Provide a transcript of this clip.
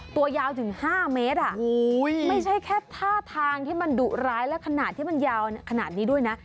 ตัวยาวถึง๕เมตรไม่ใช่แค่ท่าทางที่มันดุร้ายและขนาดที่มันยาวขนาดนี้ด้วยนะ